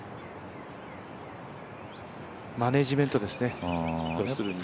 マネジメントですね、要するに。